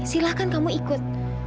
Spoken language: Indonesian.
silahkan kamu ikut